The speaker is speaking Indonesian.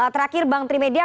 terakhir bank trimedia